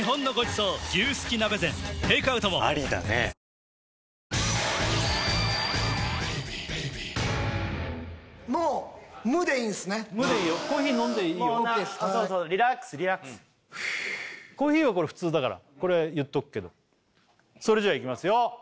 そうそうリラックスリラックスコーヒーはこれ普通だからこれ言っとくけどそれじゃいきますよ